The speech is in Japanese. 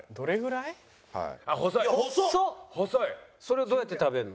それをどうやって食べるの？